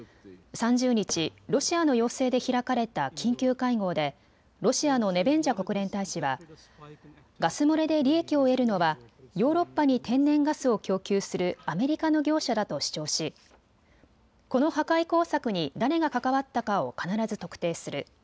３０日、ロシアの要請で開かれた緊急会合でロシアのネベンジャ国連大使は、ガス漏れで利益を得るのはヨーロッパに天然ガスを供給するアメリカの業者だと主張しこの破壊工作に誰が関わったかを必ず特定する。